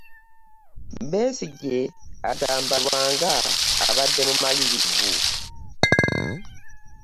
Besigye agamba Lwanga abadde mumalirivu.